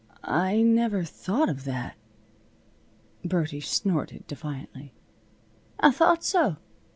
"I never thought of that." Birdie snorted defiantly. "I thought so.